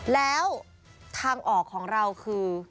แล้วทางออกของเราคือ